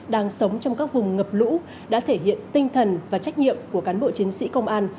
đang sống trong các vùng ngập lũ đã thể hiện tinh thần và trách nhiệm của cán bộ chiến sĩ công an